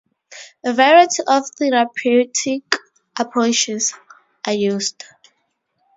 A variety of therapeutic approaches are used.